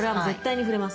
触れます。